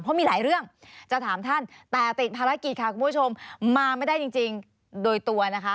เพราะมีหลายเรื่องจะถามท่านแต่ติดภารกิจค่ะคุณผู้ชมมาไม่ได้จริงโดยตัวนะคะ